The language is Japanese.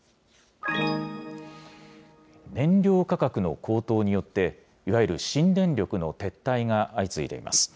燃料価格の高騰によって、いわゆる新電力の撤退が相次いでいます。